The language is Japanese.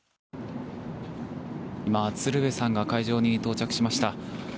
今、鶴瓶さんが会場に到着しました。